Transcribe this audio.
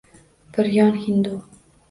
Bir yon hindu